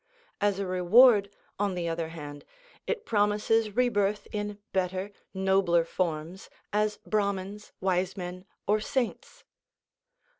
As a reward, on the other hand, it promises re birth in better, nobler forms, as Brahmans, wise men, or saints.